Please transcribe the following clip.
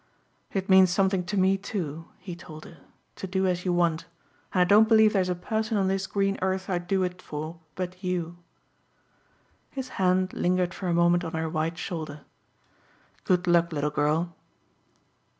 "It means something to me, too," he told her, "to do as you want, and I don't believe there's a person on this green earth I'd do it for but you." His hand lingered for a moment on her white shoulder. "Good luck, little girl."